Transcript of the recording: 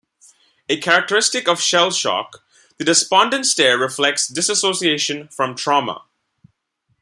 A characteristic of shell shock, the despondent stare reflects dissociation from trauma.